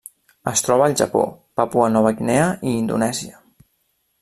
Es troba al Japó, Papua Nova Guinea i Indonèsia.